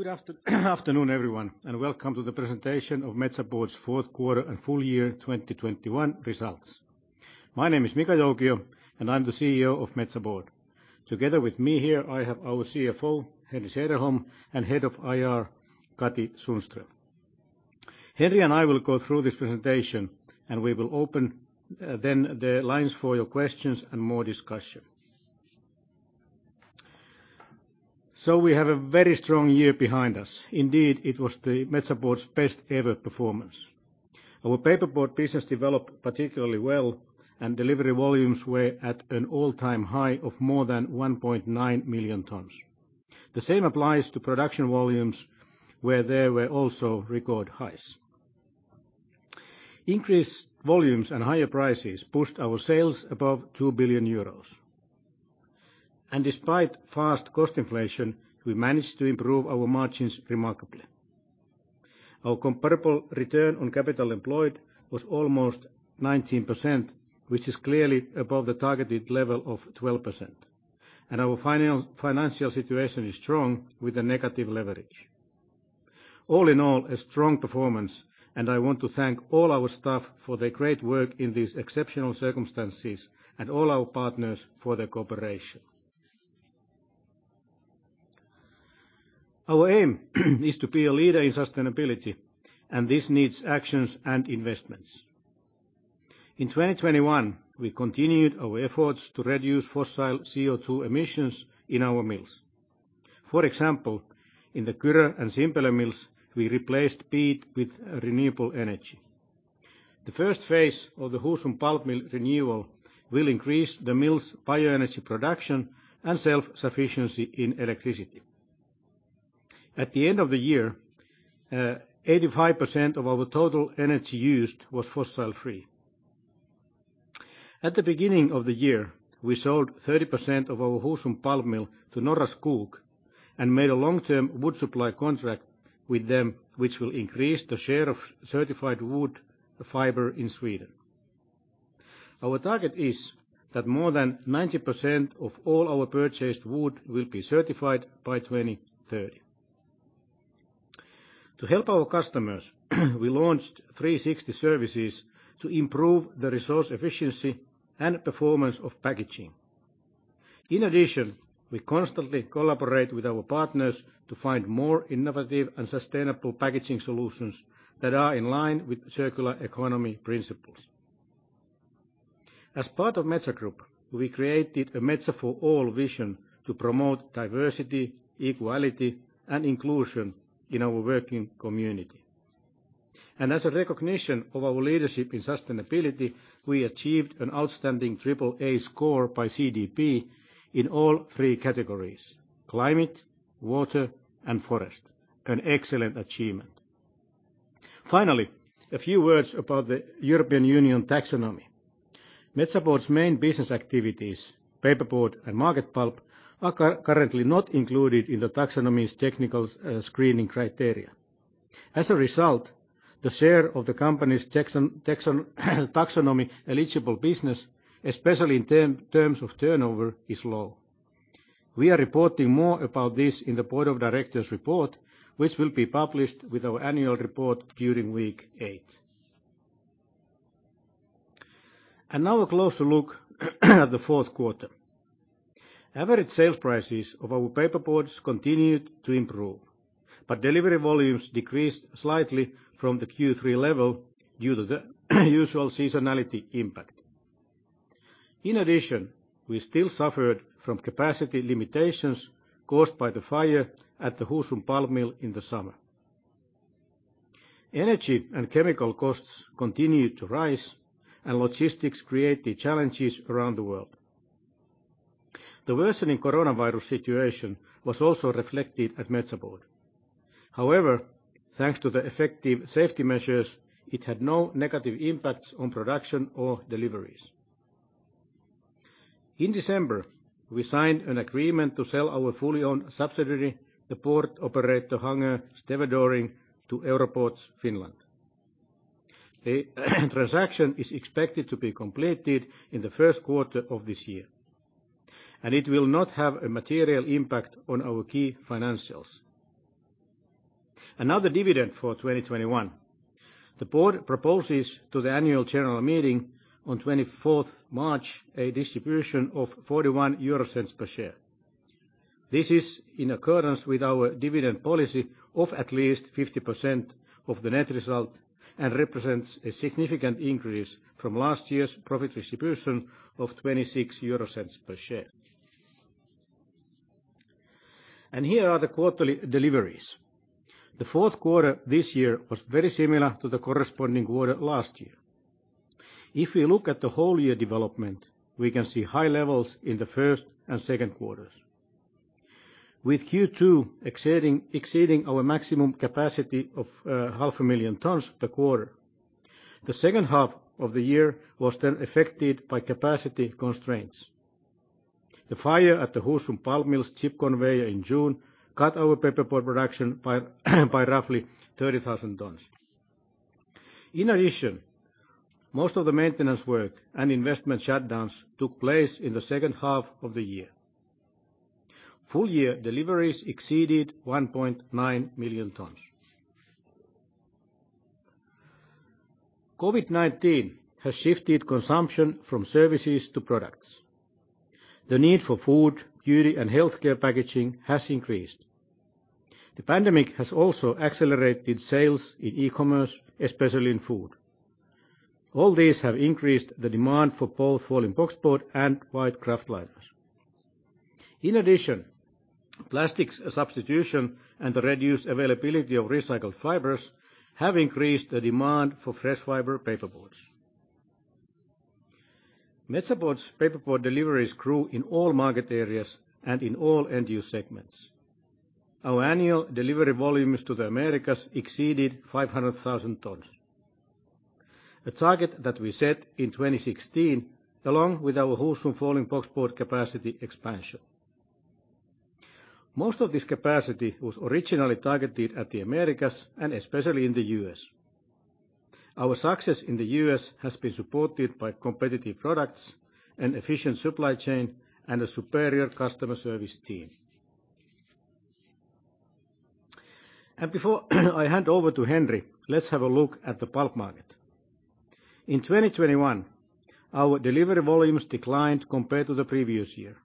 Good afternoon, everyone, and welcome to the presentation of Metsä Board's Q4 and full year 2021 results. My name is Mika Joukio, and I'm the CEO of Metsä Board. Together with me here, I have our CFO, Henri Sederholm, and head of IR, Katri Sundström. Henri and I will go through this presentation, and we will open then the lines for your questions and more discussion. We have a very strong year behind us. Indeed, it was Metsä Board's best-ever performance. Our paperboard business developed particularly well, and delivery volumes were at an all-time high of more than 1.9 million tons. The same applies to production volumes, where there were also record highs. Increased volumes and higher prices pushed our sales above 2 billion euros. Despite fast cost inflation, we managed to improve our margins remarkably. Our comparable return on capital employed was almost 19%, which is clearly above the targeted level of 12%. Our financial situation is strong with a negative leverage. All in all, a strong performance, and I want to thank all our staff for their great work in these exceptional circumstances and all our partners for their cooperation. Our aim is to be a leader in sustainability, and this needs actions and investments. In 2021, we continued our efforts to reduce fossil CO2 emissions in our mills. For example, in the Kyrö and Simpele mills, we replaced peat with renewable energy. The first phase of the Husum pulp mill renewal will increase the mill's bioenergy production and self-sufficiency in electricity. At the end of the year, 85% of our total energy used was fossil-free. At the beginning of the year, we sold 30% of our Husum pulp mill to Norra Skog and made a long-term wood supply contract with them, which will increase the share of certified wood fiber in Sweden. Our target is that more than 90% of all our purchased wood will be certified by 2030. To help our customers, we launched 360 Services to improve the resource efficiency and performance of packaging. In addition, we constantly collaborate with our partners to find more innovative and sustainable packaging solutions that are in line with circular economy principles. As part of Metsä Group, we created a Metsä For All vision to promote diversity, equality, and inclusion in our working community. As a recognition of our leadership in sustainability, we achieved an outstanding triple A score by CDP in all three categories: climate, water, and forest, an excellent achievement. Finally, a few words about the European Union taxonomy. Metsä Board's main business activities, paperboard and market pulp, are currently not included in the taxonomy's technical screening criteria. As a result, the share of the company's taxonomy-eligible business, especially in terms of turnover, is low. We are reporting more about this in the board of directors report, which will be published with our annual report during week eight. Now a closer look at the Q4. Average sales prices of our paperboards continued to improve, but delivery volumes decreased slightly from the Q3 level due to the usual seasonality impact. In addition, we still suffered from capacity limitations caused by the fire at the Husum pulp mill in the summer. Energy and chemical costs continued to rise, and logistics created challenges around the world. The worsening coronavirus situation was also reflected at Metsä Board. However, thanks to the effective safety measures, it had no negative impacts on production or deliveries. In December, we signed an agreement to sell our fully owned subsidiary, the port operator Hangö Stevedoring, to Euroports Finland. The transaction is expected to be completed in the Q1 of this year, and it will not have a material impact on our key financials. Now the dividend for 2021. The board proposes to the annual general meeting on 24 March a distribution of 0.41 per share. This is in accordance with our dividend policy of at least 50% of the net result and represents a significant increase from last year's profit distribution of 0.26 per share. Here are the quarterly deliveries. The Q4 this year was very similar to the corresponding quarter last year. If we look at the whole year development, we can see high levels in the Q1 and Q2, with Q2 exceeding our maximum capacity of 500,000 tons per quarter. The second half of the year was then affected by capacity constraints. The fire at the Husum pulp mill's chip conveyor in June cut our paperboard production by roughly 30,000 tons. In addition, most of the maintenance work and investment shutdowns took place in the second half of the year. Full year deliveries exceeded 1.9 million tons. COVID-19 has shifted consumption from services to products. The need for food, beauty, and healthcare packaging has increased. The pandemic has also accelerated sales in e-commerce, especially in food. All these have increased the demand for both folding boxboard and white kraftliners. In addition, plastics substitution and the reduced availability of recycled fibers have increased the demand for fresh fiber paperboards. Metsä Board's paperboard deliveries grew in all market areas and in all end use segments. Our annual delivery volumes to the Americas exceeded 500,000 tons, the target that we set in 2016 along with our Husum folding boxboard capacity expansion. Most of this capacity was originally targeted at the Americas, and especially in the U.S. Our success in the U.S. has been supported by competitive products, an efficient supply chain, and a superior customer service team. Before I hand over to Henri, let's have a look at the pulp market. In 2021, our delivery volumes declined compared to the previous year.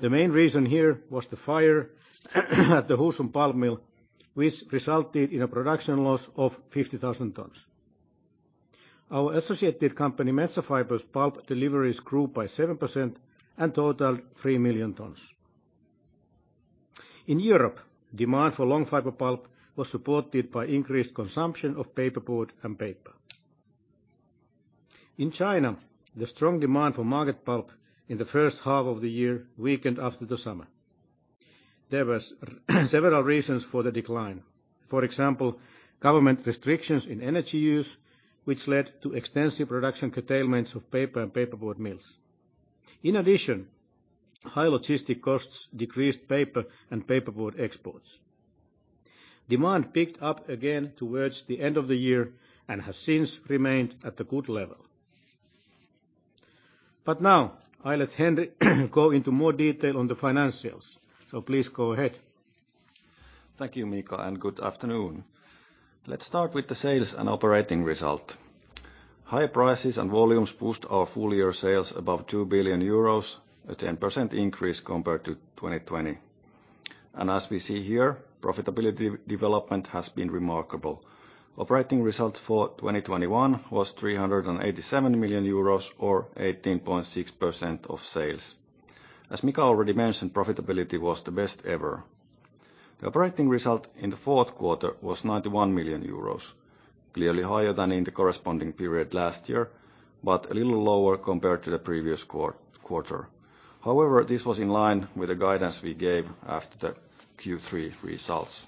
The main reason here was the fire at the Husum pulp mill, which resulted in a production loss of 50,000 tons. Our associated company, Metsä Fibre's pulp deliveries grew by 7% and totaled 3 million tons. In Europe, demand for long-fibre pulp was supported by increased consumption of paperboard and paper. In China, the strong demand for market pulp in the first half of the year weakened after the summer. There was several reasons for the decline. For example, government restrictions in energy use, which led to extensive production curtailments of paper and paperboard mills. In addition, high logistics costs decreased paper and paperboard exports. Demand picked up again towards the end of the year and has since remained at a good level. Now I let Henri go into more detail on the financials. Please go ahead. Thank you, Mika, and good afternoon. Let's start with the sales and operating result. High prices and volumes pushed our full year sales above 2 billion euros, a 10% increase compared to 2020. As we see here, profitability development has been remarkable. Operating results for 2021 was 387 million euros, or 18.6% of sales. As Mika already mentioned, profitability was the best ever. The operating result in the Q4 was 91 million euros, clearly higher than in the corresponding period last year, but a little lower compared to the previous quarter. However, this was in line with the guidance we gave after the Q3 results.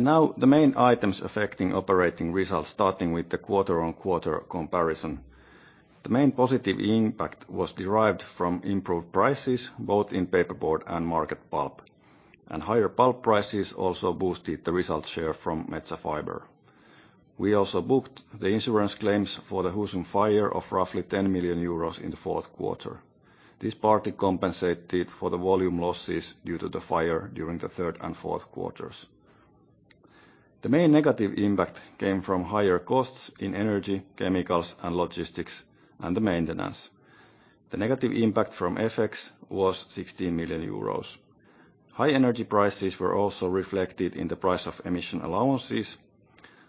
Now the main items affecting operating results, starting with the quarter-on-quarter comparison. The main positive impact was derived from improved prices, both in paperboard and market pulp. Higher pulp prices also boosted the result share from Metsä Fibre. We also booked the insurance claims for the Husum fire of roughly 10 million euros in the Q4. This partly compensated for the volume losses due to the fire during the third and Q4's. The main negative impact came from higher costs in energy, chemicals, and logistics, and the maintenance. The negative impact from FX was 16 million euros. High energy prices were also reflected in the price of emission allowances,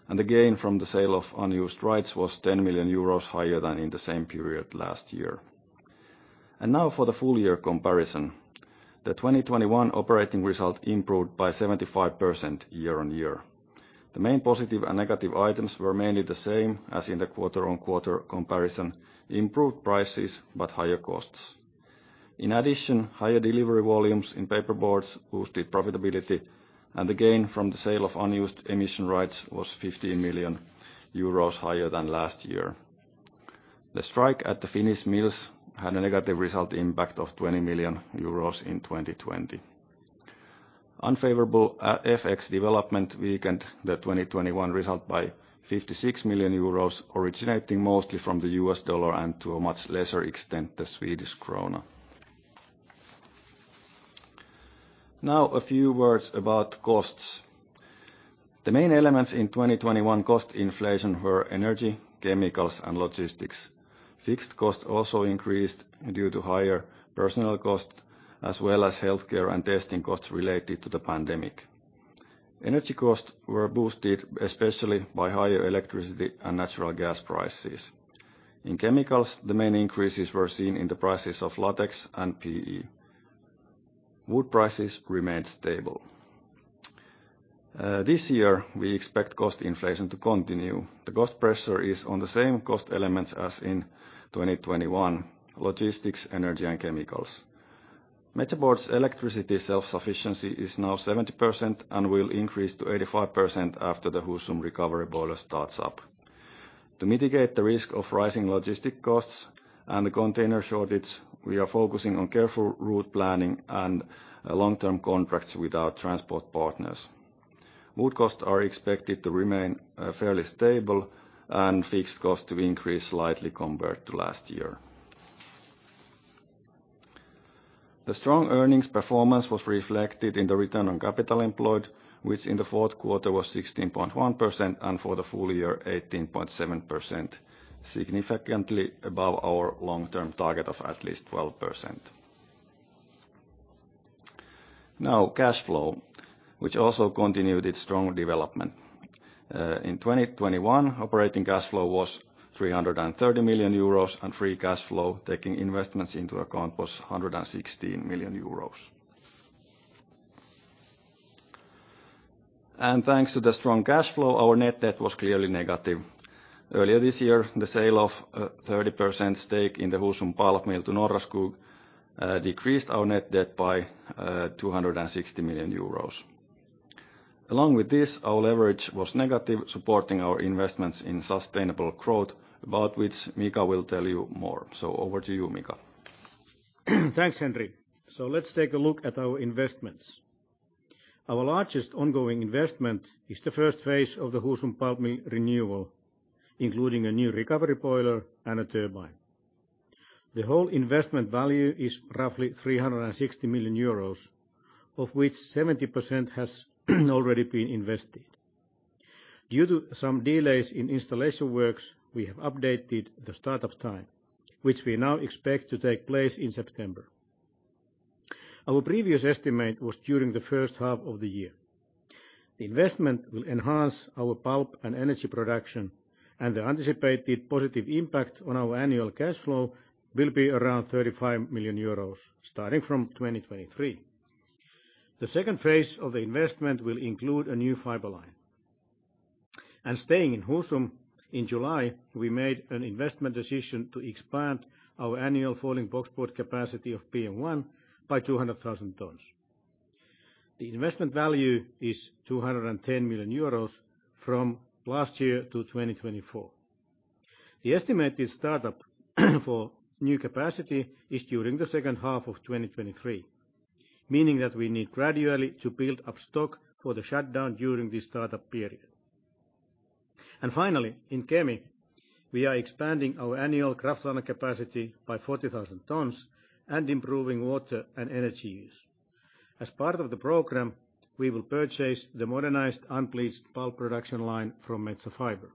and the gain from the sale of unused rights was 10 million euros higher than in the same period last year. Now for the full year comparison. The 2021 operating result improved by 75% year-on-year. The main positive and negative items were mainly the same as in the quarter-on-quarter comparison, improved prices but higher costs. In addition, higher delivery volumes in paperboards boosted profitability, and the gain from the sale of unused emission rights was 15 million euros higher than last year. The strike at the Finnish mills had a negative result impact of 20 million euros in 2020. Unfavorable FX development weakened the 2021 result by 56 million euros, originating mostly from the US dollar and, to a much lesser extent, the Swedish krona. Now a few words about costs. The main elements in 2021 cost inflation were energy, chemicals, and logistics. Fixed costs also increased due to higher personnel costs, as well as healthcare and testing costs related to the pandemic. Energy costs were boosted especially by higher electricity and natural gas prices. In chemicals, the main increases were seen in the prices of latex and PE. Wood prices remained stable. This year we expect cost inflation to continue. The cost pressure is on the same cost elements as in 2021, logistics, energy, and chemicals. Metsä Board's electricity self-sufficiency is now 70% and will increase to 85% after the Husum recovery boiler starts up. To mitigate the risk of rising logistic costs and the container shortage, we are focusing on careful route planning and long-term contracts with our transport partners. Wood costs are expected to remain fairly stable and fixed costs to increase slightly compared to last year. The strong earnings performance was reflected in the return on capital employed, which in the Q4 was 16.1%, and for the full year, 18.7%, significantly above our long-term target of at least 12%. Now cash flow, which also continued its strong development. In 2021, operating cash flow was 330 million euros, and free cash flow, taking investments into account, was 116 million euros. Thanks to the strong cash flow, our net debt was clearly negative. Earlier this year, the sale of 30% stake in the Husum pulp mill to Norra Skog decreased our net debt by 260 million euros. Along with this, our leverage was negative, supporting our investments in sustainable growth, about which Mika will tell you more. Over to you, Mika. Thanks, Henri. Let's take a look at our investments. Our largest ongoing investment is the first phase of the Husum pulp mill renewal, including a new recovery boiler and a turbine. The whole investment value is roughly 360 million euros, of which 70% has already been invested. Due to some delays in installation works, we have updated the start-up time, which we now expect to take place in September. Our previous estimate was during the first half of the year. The investment will enhance our pulp and energy production, and the anticipated positive impact on our annual cash flow will be around 35 million euros, starting from 2023. The second phase of the investment will include a new fiber line. Staying in Husum, in July, we made an investment decision to expand our annual folding boxboard capacity of PM One by 200,000 tons. The investment value is 210 million euros from last year to 2024. The estimated startup for new capacity is during the second half of 2023, meaning that we need gradually to build up stock for the shutdown during this startup period. Finally, in Kemi we are expanding our annual kraftliner capacity by 40,000 tons and improving water and energy use. As part of the program, we will purchase the modernized unbleached pulp production line from Metsä Fibre.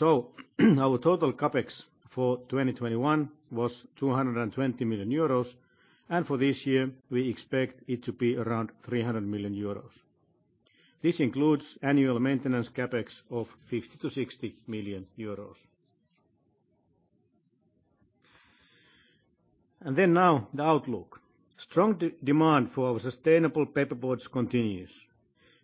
Our total CapEx for 2021 was 220 million euros, and for this year, we expect it to be around 300 million euros. This includes annual maintenance CapEx of 50 million-60 million euros. Then now the outlook. Strong demand for our sustainable paperboards continues.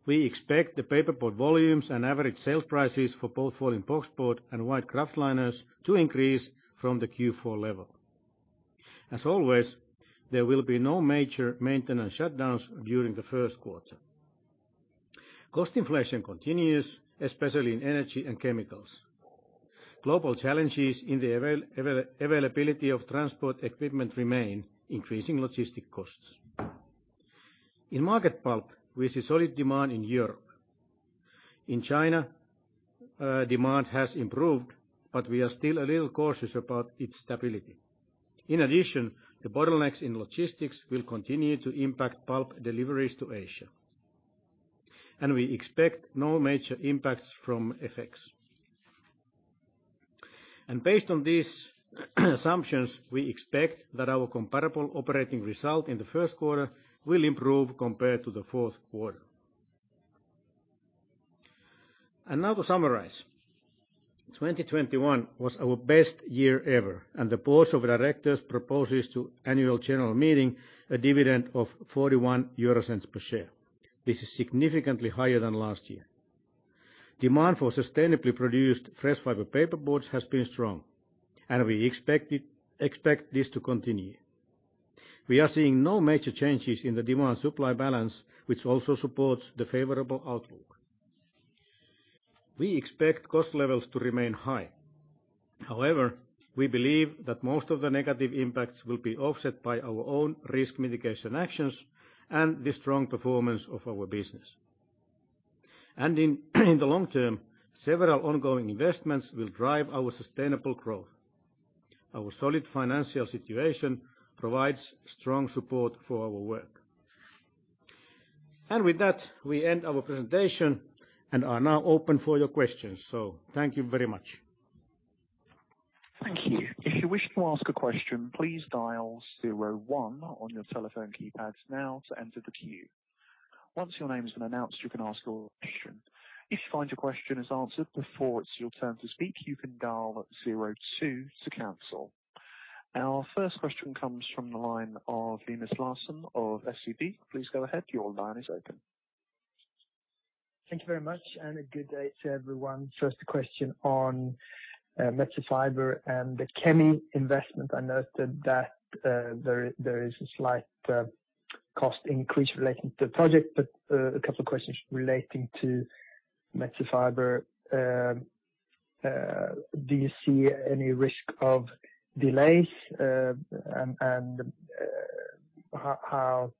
We expect the paperboard volumes and average sales prices for both folding boxboard and white kraftliners to increase from the Q4 level. As always, there will be no major maintenance shutdowns during the Q1. Cost inflation continues, especially in energy and chemicals. Global challenges in the availability of transport equipment remain, increasing logistics costs. In market pulp, we see solid demand in Europe. In China, demand has improved, but we are still a little cautious about its stability. In addition, the bottlenecks in logistics will continue to impact pulp deliveries to Asia, and we expect no major impacts from FX. Based on these assumptions, we expect that our comparable operating result in the Q1 will improve compared to the Q4. Now to summarize, 2021 was our best year ever, and the board of directors proposes to the annual general meeting a dividend of 0.41 per share. This is significantly higher than last year. Demand for sustainably produced fresh fiber paperboards has been strong, and we expect this to continue. We are seeing no major changes in the demand-supply balance, which also supports the favorable outlook. We expect cost levels to remain high. However, we believe that most of the negative impacts will be offset by our own risk mitigation actions and the strong performance of our business. In the long term, several ongoing investments will drive our sustainable growth. Our solid financial situation provides strong support for our work. With that, we end our presentation and are now open for your questions. Thank you very much. Thank you. If you wish to ask a question, please dial zero one on your telephone keypads now to enter the queue. Once your name has been announced, you can ask your question. If you find your question is answered before it's your turn to speak, you can dial zero two to cancel. Our first question comes from the line of Linus Larsson of SEB. Please go ahead. Your line is open. Thank you very much, and a good day to everyone. First, a question on Metsä Fibre and the Kemi investment. I noted that there is a slight, Cost increase relating to the project, but a couple of questions relating to Metsä Fibre. Do you see any risk of delays? How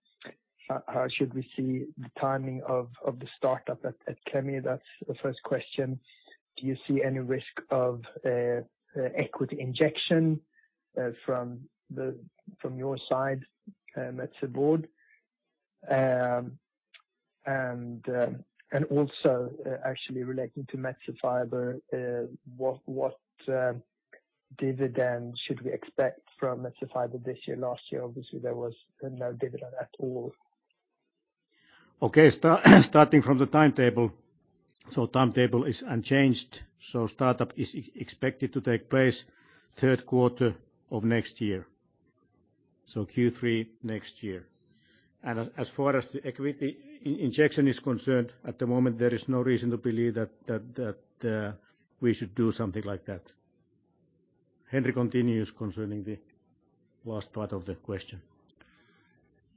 should we see the timing of the startup at Kemi? That's the first question. Do you see any risk of equity injection from your side, Metsä Board? Also, actually relating to Metsä Fibre, what dividend should we expect from Metsä Fibre this year? Last year, obviously, there was no dividend at all. Starting from the timetable. Timetable is unchanged, so startup is expected to take place Q3 of next year. Q3 next year. As far as the equity injection is concerned, at the moment, there is no reason to believe that we should do something like that. Henri continues concerning the last part of the question.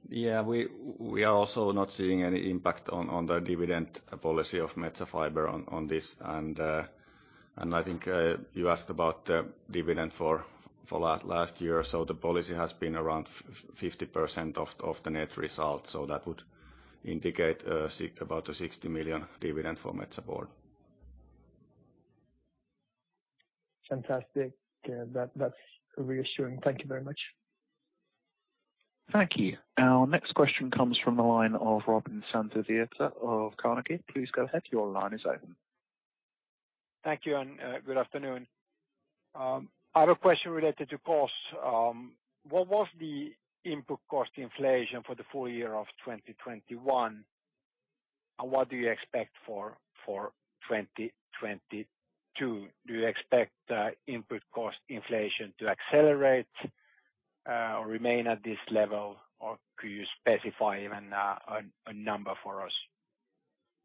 Yeah. We are also not seeing any impact on the dividend policy of Metsä Fibre on this. I think you asked about the dividend for last year. The policy has been around 50% of the net results. That would indicate about 60 million dividend for Metsä Board. Fantastic. Yeah, that's reassuring. Thank you very much. Thank you. Our next question comes from the line of Robin Santavirta of Carnegie. Please go ahead. Your line is open. Thank you and good afternoon. I have a question related to costs. What was the input cost inflation for the full year of 2021, and what do you expect for 2022? Do you expect input cost inflation to accelerate or remain at this level, or could you specify even a number for us?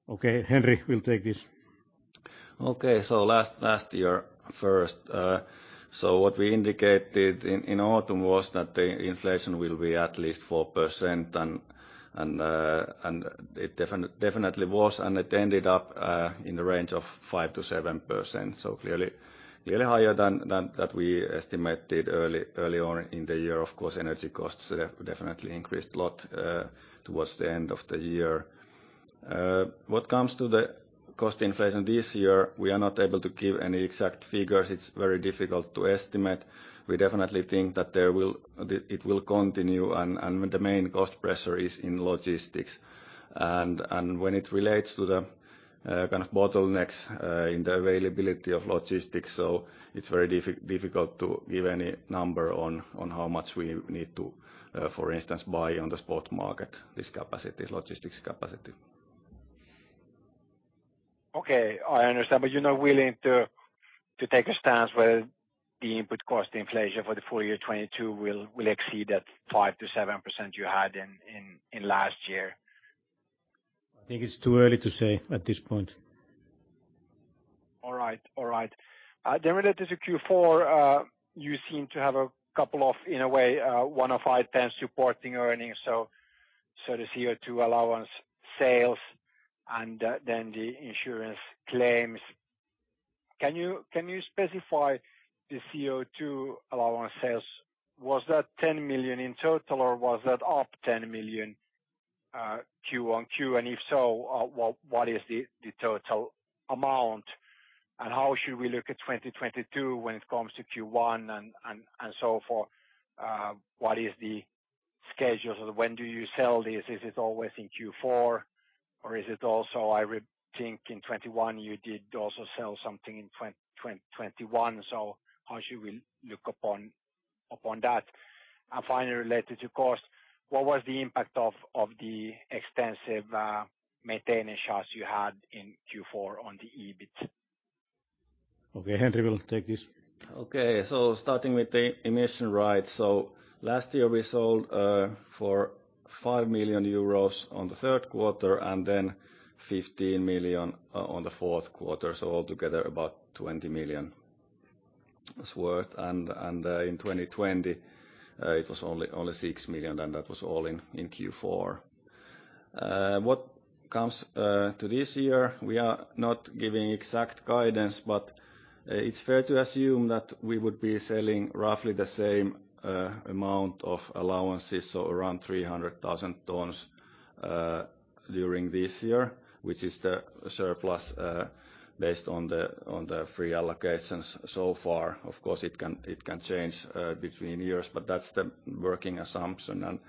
Okay. Henri will take this. Okay. Last year first. What we indicated in autumn was that the inflation will be at least 4% and it definitely was, and it ended up in the range of 5%-7%. Clearly higher than that we estimated early on in the year. Of course, energy costs definitely increased a lot towards the end of the year. What comes to the cost inflation this year, we are not able to give any exact figures. It's very difficult to estimate. We definitely think that it will continue and the main cost pressure is in logistics. When it relates to the kind of bottlenecks in the availability of logistics, it's very difficult to give any number on how much we need to, for instance, buy on the spot market, this capacity, logistics capacity. Okay. I understand. You're not willing to take a stance where the input cost inflation for the full year 2022 will exceed that 5%-7% you had in last year? I think it's too early to say at this point. All right. Then related to Q4, you seem to have a couple of, in a way, one-off items supporting earnings, so the CO2 allowance sales and then the insurance claims. Can you specify the CO2 allowance sales? Was that 10 million in total, or was that up 10 million, Q-on-Q? And if so, what is the total amount, and how should we look at 2022 when it comes to Q1 and so forth? What is the schedule? When do you sell this? Is it always in Q4, or is it also? I think in 2021 you did also sell something in 2021. How should we look upon that? Finally, related to cost, what was the impact of the extensive maintenance shutdowns you had in Q4 on the EBIT? Okay. Henri will take this. Okay. Starting with the emission allowances. Last year we sold for 5 million euros in the Q3 and then 15 million on the Q4. Altogether about 20 million's worth. In 2020 it was only 6 million, and that was all in Q4. What comes to this year, we are not giving exact guidance, but it's fair to assume that we would be selling roughly the same amount of allowances. Around 300,000 tons during this year, which is the surplus based on the free allocations so far. Of course, it can change between years, but that's the working assumption.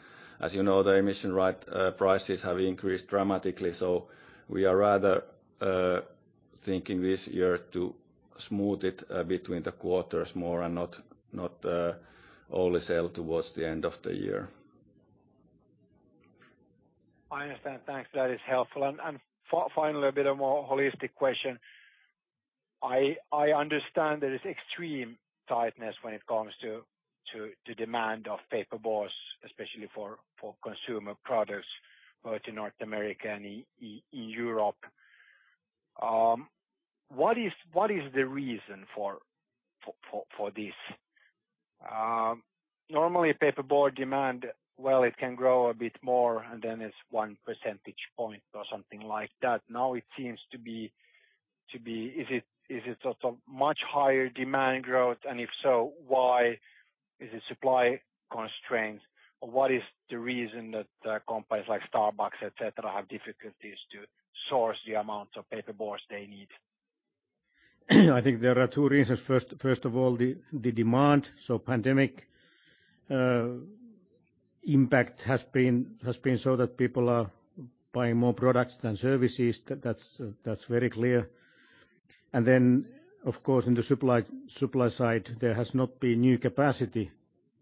As you know, the emission allowances prices have increased dramatically. We are rather thinking this year to smooth it between the quarters more and not only sell towards the end of the year. I understand. Thanks. That is helpful. Finally, a bit more holistic question. I understand there is extreme tightness when it comes to demand of paperboard, especially for consumer products, both in North America and in Europe. What is the reason for this? Normally paperboard demand, well, it can grow a bit more, and then it's one percentage point or something like that. Now it seems to be much higher demand growth. If so, why? Is it supply constraint? Or what is the reason that companies like Starbucks, et cetera, have difficulties to source the amount of paperboard they need? I think there are two reasons. First of all, the demand. Pandemic impact has been so that people are buying more products than services. That's very clear. Then, of course, in the supply side, there has not been new capacity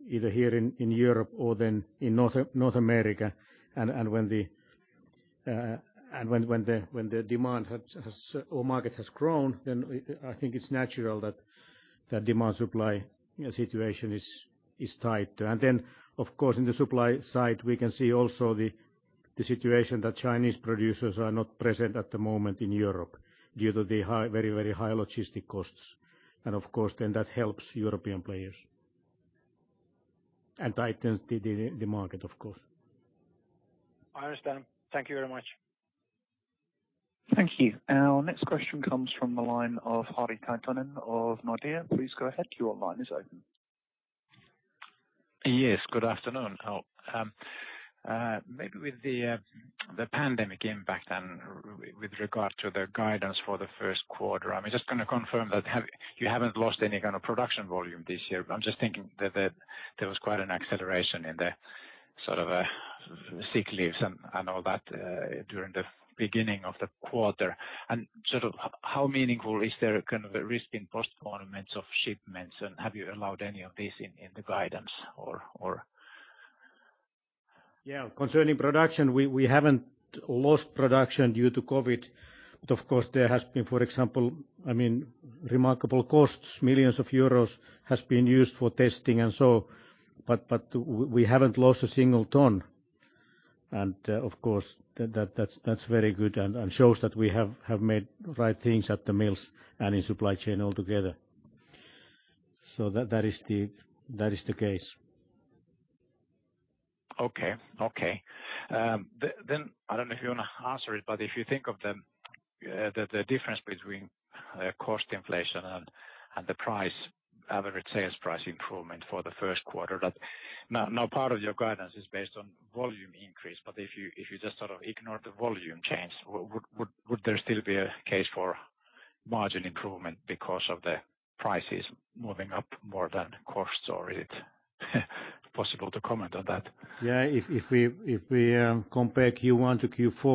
either here in Europe or then in North America. When the demand or market has grown, I think it's natural that demand supply, you know, situation is tight. Then, of course, in the supply side, we can see also the situation that Chinese producers are not present at the moment in Europe due to the very high logistic costs. Of course, then that helps European players and tightens the market. I understand. Thank you very much. Thank you. Our next question comes from the line of Harri Taittonen of Nordea. Please go ahead. Your line is open. Yes, good afternoon. Maybe with the pandemic impact then with regards to the guidance for the Q1, I'm just gonna confirm that you haven't lost any kind of production volume this year. I'm just thinking that there was quite an acceleration in the sort of sick leaves and all that during the beginning of the quarter. Sort of how meaningful is there kind of a risk in postponements of shipments, and have you allowed any of this in the guidance or? Yeah. Concerning production, we haven't lost production due to COVID. Of course, there has been, for example, I mean, remarkable costs; millions of euros has been used for testing and so. We haven't lost a single ton. Of course that's very good and shows that we have made right things at the mills and in supply chain altogether. That is the case. I don't know if you wanna answer it, but if you think of the difference between cost inflation and the price, average sales price improvement for the Q1, that now part of your guidance is based on volume increase. If you just sort of ignore the volume change, would there still be a case for margin improvement because of the prices moving up more than costs, or is it possible to comment on that? Yeah. If we compare Q1-Q4,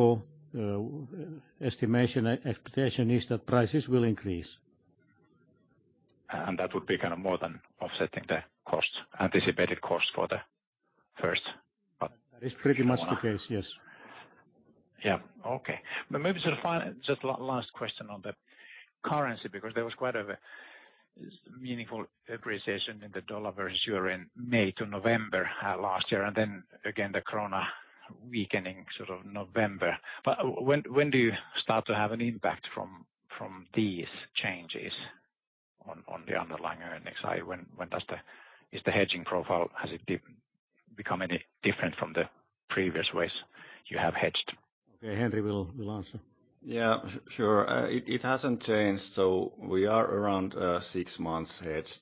estimation expectation is that prices will increase. That would be kind of more than offsetting the costs, anticipated costs for the first part. That is pretty much the case, yes. Okay. Maybe sort of just last question on the currency, because there was quite a meaningful appreciation in the US dollar versus the euro in May to November last year. Then again, the Swedish krona weakening sort of November. When do you start to have an impact from these changes on the underlying earnings side? When does the hedging profile become any different from the previous ways you have hedged? Okay. Henri will answer. Yeah. Sure. It hasn't changed. We are around six months hedged.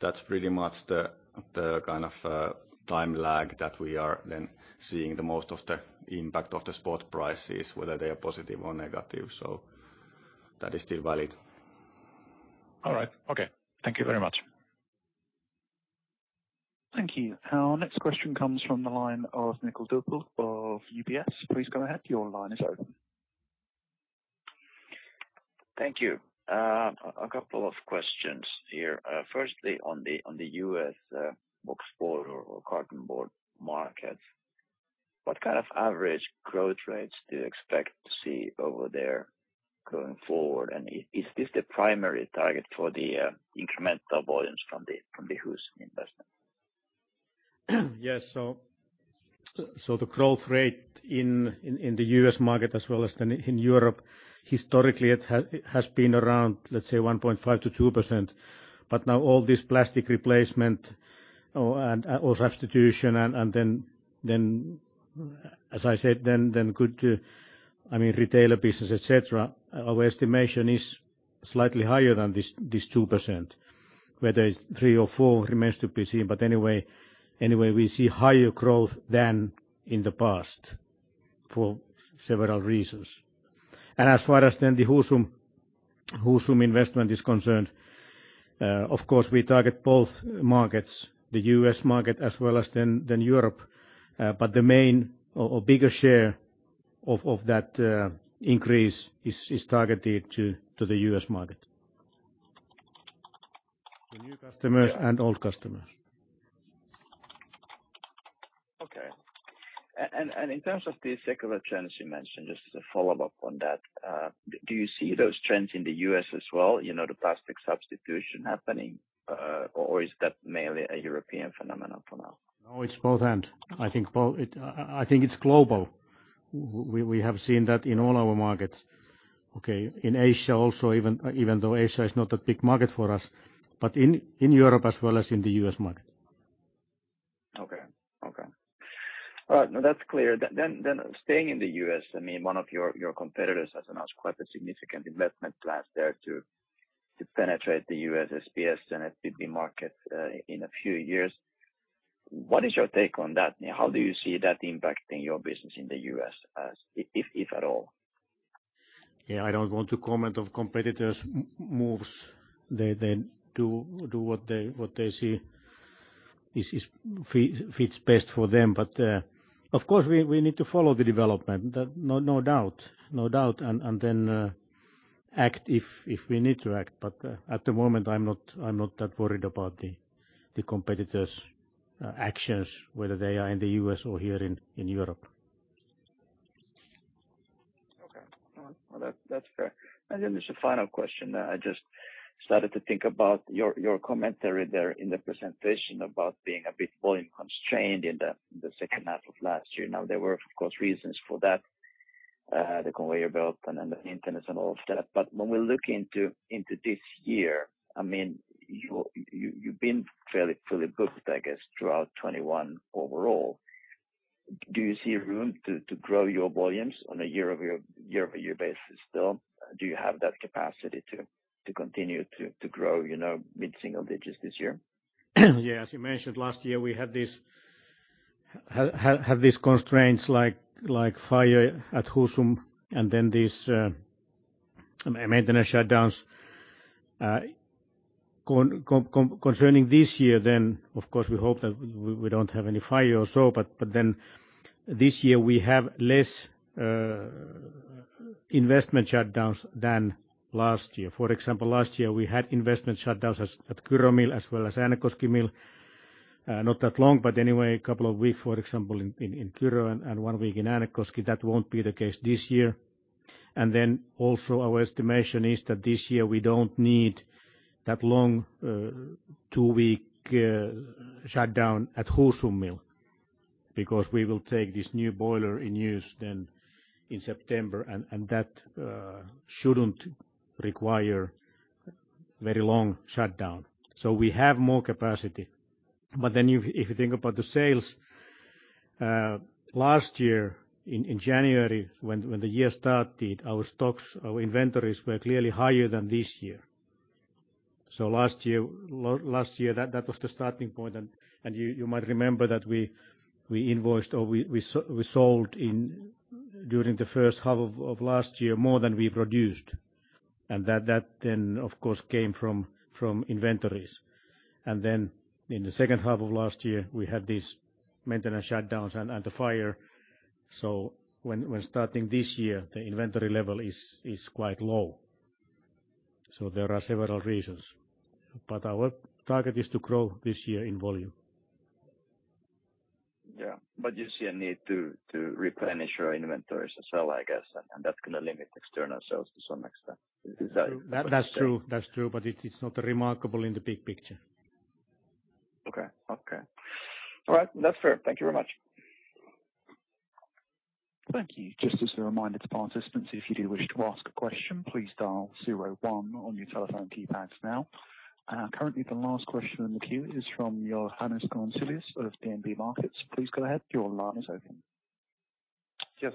That's pretty much the kind of time lag that we are then seeing the most of the impact of the spot prices, whether they are positive or negative. That is still valid. All right. Okay. Thank you very much. Thank you. Our next question comes from the line of Cole S. DuPlessie of UBS. Please go ahead. Your line is open. Thank you. A couple of questions here. Firstly on the U.S. boxboard or carton board markets. What kind of average growth rates do you expect to see over there going forward? Is this the primary target for the incremental volumes from the Husum investment? Yes. The growth rate in the U.S. market as well as in Europe, historically it has been around, let's say 1.5%-2%. Now all this plastic replacement or and or substitution and then as I said then good, I mean, retailer business, et cetera, our estimation is slightly higher than this 2%. Whether it's three or four remains to be seen. Anyway, we see higher growth than in the past for several reasons. As far as the Husum investment is concerned, of course we target both markets, the U.S. market as well as Europe. But the main or bigger share of that increase is targeted to the U.S. market. To new customers and old customers. Okay. In terms of the secular trends you mentioned, just as a follow-up on that, do you see those trends in the U.S. as well, you know, the plastic substitution happening? Or is that mainly a European phenomenon for now? No, it's both/and. I think it's global. We have seen that in all our markets, okay? In Asia also, even though Asia is not a big market for us, but in Europe as well as in the U.S. market. Okay. All right, now that's clear. Staying in the U.S., I mean, one of your competitors has announced quite a significant CapEx there to penetrate the U.S. SBS and FBB market in a few years. What is your take on that? How do you see that impacting your business in the U.S., if at all? Yeah, I don't want to comment on competitors' moves. They do what they see fits best for them. Of course, we need to follow the development. No doubt. Then act if we need to act. At the moment, I'm not that worried about the competitors' actions, whether they are in the U.S. or here in Europe. Okay. All right. Well, that's fair. Then there's a final question. I just started to think about your commentary there in the presentation about being a bit volume-constrained in the second half of last year. Now, there were, of course, reasons for that, the conveyor belt and then the maintenance and all of that. But when we look into this year, I mean, you've been fairly fully booked, I guess, throughout 2021 overall. Do you see room to grow your volumes on a year-over-year basis still? Do you have that capacity to continue to grow, you know, mid-single digits this year? Yeah. As you mentioned, last year, we had these constraints like fire at Husum and then these maintenance shutdowns. Concerning this year, then, of course, we hope that we don't have any fire or so, but then this year we have less investment shutdowns than last year. For example, last year, we had investment shutdowns at Kyro mill as well as Äänekoski mill. Not that long, but anyway, a couple of week, for example, in Kyro and one week in Äänekoski. That won't be the case this year. Also our estimation is that this year we don't need that long two-week shutdown at Husum mill because we will take this new boiler in use then in September, and that shouldn't require very long shutdown. We have more capacity. If you think about the sales, last year in January, when the year started, our stocks, our inventories were clearly higher than this year. Last year, that was the starting point. You might remember that we invoiced or we sold during the first half of last year, more than we produced. That then, of course, came from inventories. In the second half of last year, we had these maintenance shutdowns and the fire. When starting this year, the inventory level is quite low. There are several reasons. Our target is to grow this year in volume. Yeah. You see a need to replenish your inventories as well, I guess. That's gonna limit external sales to some extent. Is that? That's true, but it is not remarkable in the big picture. Okay. All right. That's fair. Thank you very much. Thank you. Just as a reminder to participants, if you do wish to ask a question, please dial zero one on your telephone keypads now. Currently, the last question in the queue is from Johannes Grunselius of DNB Markets. Please go ahead. Your line is open.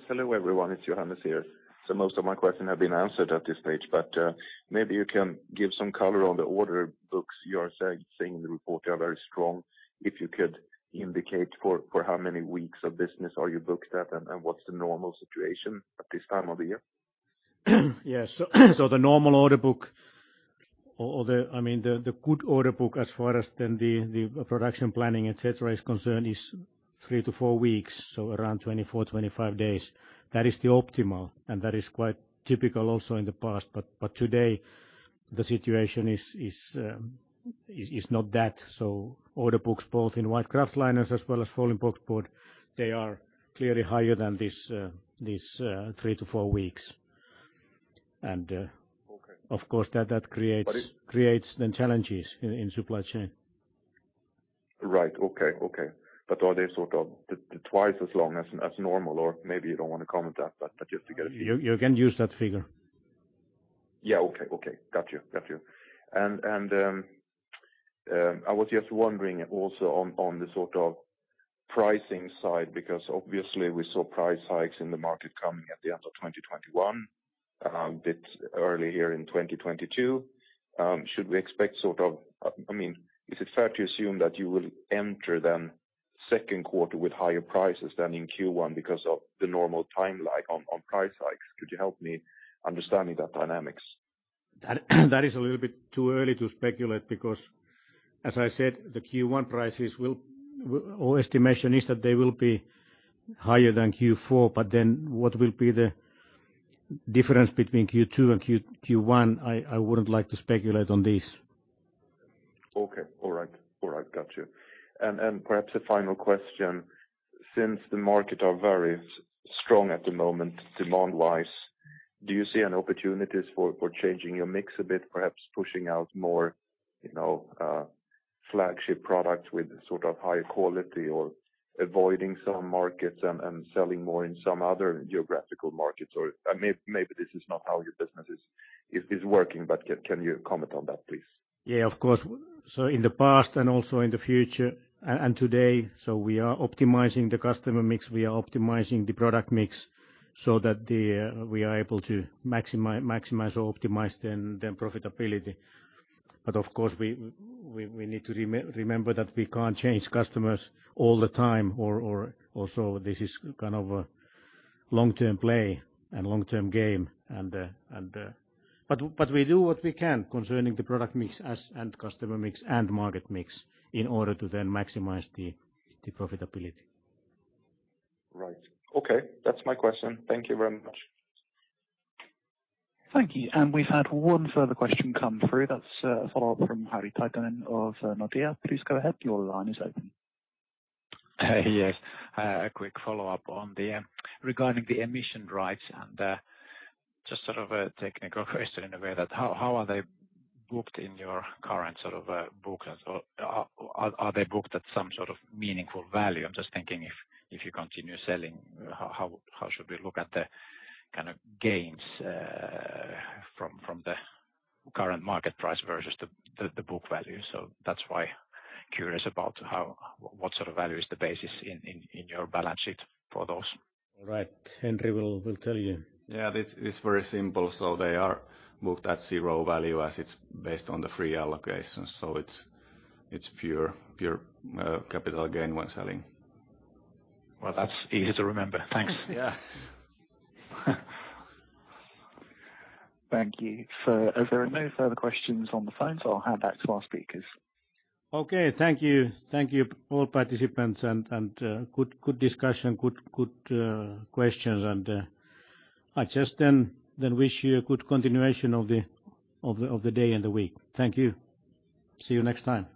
Hello, everyone. It's Johannes here. Most of my question have been answered at this stage, but maybe you can give some color on the order books you are saying in the report are very strong. If you could indicate for how many weeks of business are you booked at, and what's the normal situation at this time of the year? Yes. The normal order book or the I mean, the good order book as far as the production planning, et cetera, is concerned, is three-four weeks, so around 24-25 days. That is the optimal, and that is quite typical also in the past. Today the situation is not that. Order books, both in white kraftliners as well as folding boxboard, they are clearly higher than this three-four weeks. Okay. Of course, that creates. But it- Creates challenges in the supply chain. Right. Okay. Are they sort of twice as long as normal? Or maybe you don't wanna comment that, but just to get a feel. You can use that figure. Yeah, okay. Got you. I was just wondering also on the sort of pricing side. Because obviously we saw price hikes in the market coming at the end of 2021, a bit early here in 2022. Should we expect sort of, I mean, is it fair to assume that you will enter the Q2 with higher prices than in Q1 because of the normal timeline on price hikes? Could you help me understand the dynamics? That is a little bit too early to speculate because as I said, the Q1 prices will, our estimation is that they will be higher than Q4, but then what will be the difference between Q2 and Q1, I wouldn't like to speculate on this. Okay. All right. Got you. Perhaps a final question. Since the market are very strong at the moment demand-wise. Do you see any opportunities for changing your mix a bit, perhaps pushing out more, you know, flagship products with sort of higher quality or avoiding some markets and selling more in some other geographical markets? Or maybe this is not how your business is working, but can you comment on that, please? Yeah, of course. In the past and also in the future and today, we are optimizing the customer mix, we are optimizing the product mix so that we are able to maximize or optimize then the profitability. Of course, we need to remember that we can't change customers all the time or also this is kind of a long-term play and long-term game and. We do what we can concerning the product mix and customer mix and market mix in order to then maximize the profitability. Right. Okay. That's my question. Thank you very much. Thank you. We've had one further question come through. That's a follow-up from Harri Taittonen of Nordea. Please go ahead. Your line is open. Yes. A quick follow-up regarding the emission rights, and just sort of a technical question in a way, how are they booked in your current sort of books? Or are they booked at some sort of meaningful value? I'm just thinking if you continue selling, how should we look at the kind of gains from the current market price versus the book value? That's why I'm curious about what sort of value is the basis in your balance sheet for those. All right. Henry will tell you. Yeah. This is very simple. They are booked at zero value as it's based on the free allocation. It's pure capital gain when selling. Well, that's easy to remember. Thanks. Yeah. Thank you. As there are no further questions on the phone, so I'll hand back to our speakers. Okay. Thank you. Thank you all participants and good questions. I just then wish you a good continuation of the day and the week. Thank you. See you next time.